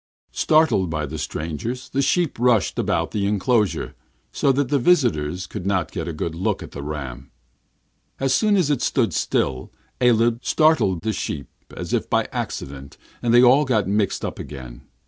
Startled by the strangers, the sheep rushed about the inclosure, so that the visitors could not get a good look at the ram. As soon as it stood still, Aleb startled the sheep as if by accident, and they all got mixed up again.